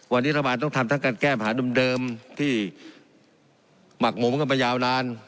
วันนี้รัฐบาลต้องทำทั้งการแก้ปัญหาเดิมที่หมักหมมกันไปยาวนาน